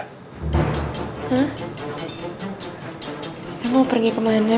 kita mau pergi kemana